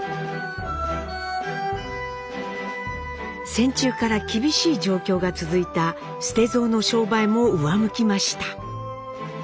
戦中から厳しい状況が続いた捨蔵の商売も上向きました。